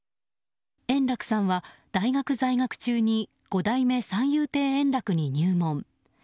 円楽さんは大学在学中に五代目三遊亭圓楽に入門。